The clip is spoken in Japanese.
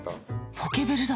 ポケベルだ！